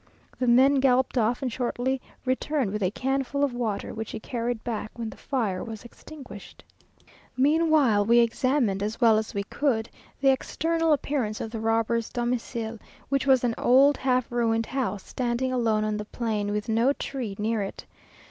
The man galloped off, and shortly returned with a can full of water, which he carried back when the fire was extinguished. Meanwhile we examined, as well as we could, the external appearance of the robbers' domicile, which was an old half ruined house, standing alone on the plain, with no tree near it.